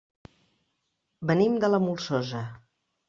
Venim de la Molsosa.